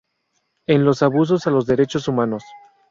En los abusos a los derechos humanos.